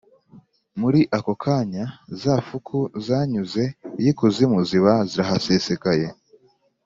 Muri ako kanya, za fuku zanyuze iy'ikuzimu ziba zirahasesekaye,